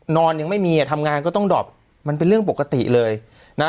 นอนยังไม่มีอ่ะทำงานก็ต้องดอบมันเป็นเรื่องปกติเลยนะ